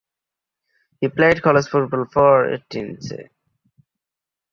He played college football for Tennessee.